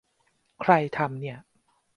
ใครทำเนี่ย